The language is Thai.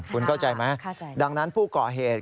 คุณเข้าใจไหมดังนั้นผู้ก่อเหตุ